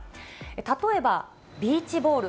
例えばビーチボール。